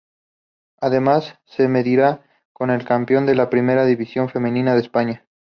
Además, se medirá con el campeón de la Primera División Femenina de España.